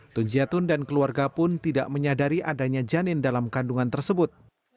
tunjiatun dan keluarga pun tidak menyadari adanya janin dalam kandungan tersebut